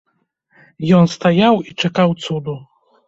Ён стаяў і чакаў цуду.